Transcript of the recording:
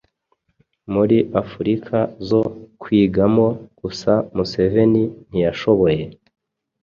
muri Afurika zo kwigamo gusa Museveni ntiyashoboye